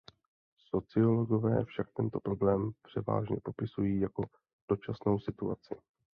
Sociologové však tento problém převážně popisují jako dočasnou situaci.